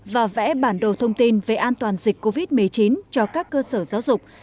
và vẽ bản đồ thông tin về an toàn dịch covid một mươi chín cho các cơ sở giáo dục